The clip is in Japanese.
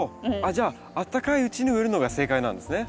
じゃああったかいうちに植えるのが正解なんですね。